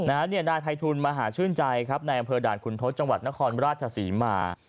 นายภัยทูลมหาชื่นใจครับในอำเภอด่านคุณทศจังหวัดนครราชศรีมา